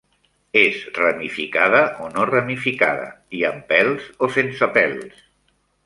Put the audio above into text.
És ramificada o no ramificada i amb pèls o sense pèls.